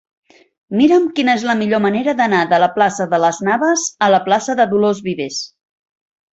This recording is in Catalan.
Mira'm quina és la millor manera d'anar de la plaça de Las Navas a la plaça de Dolors Vives.